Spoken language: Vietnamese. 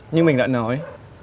như mình đã nói